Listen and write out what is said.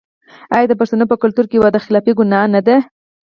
آیا د پښتنو په کلتور کې وعده خلافي ګناه نه ده؟